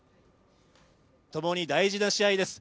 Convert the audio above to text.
ともに大事な試合です。